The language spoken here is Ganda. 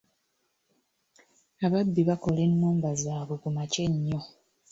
Ababbi bakola ennumba zaabwe kumakya ennyo.